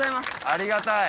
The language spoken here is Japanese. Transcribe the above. ありがたい